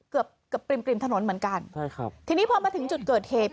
เกือบเกือบริมริมถนนเหมือนกันใช่ครับทีนี้พอมาถึงจุดเกิดเหตุ